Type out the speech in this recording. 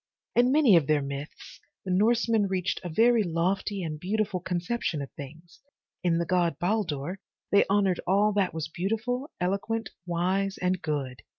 In many of their myths the Norsemen reached a very lofty and beautiful conception of things. In the god Baldur, they honored all that was beautiful, eloquent, wise and good.